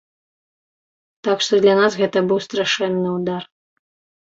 Так што для нас гэта быў страшэнны ўдар.